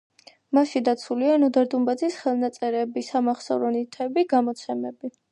მასში დაცულია ნოდარ დუმბაძის ხელნაწერები, სამახსოვრო ნივთები, გამოცემები.